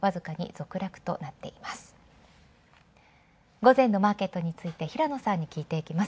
午前のマーケットについて平野さんに聞いていきます。